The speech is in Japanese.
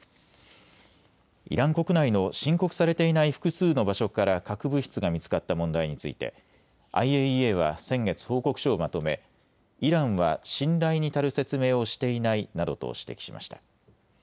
イラン国内の申告されていない複数の場所から核物質が見つかった問題についてＩＡＥＡは先月、報告書をまとめイランは信頼に足る説明をしていないなどと指摘しました。